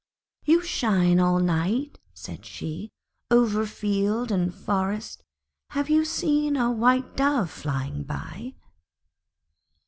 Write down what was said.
'You shine all night,' she said, 'over field and forest, have you seen a White Dove flying by?'